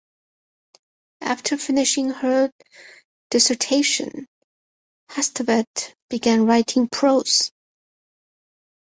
After finishing her dissertation, Hustvedt began writing prose.